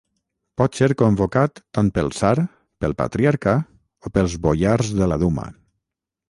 Pot ser convocat tant pel Tsar, pel Patriarca o pels boiars de la Duma.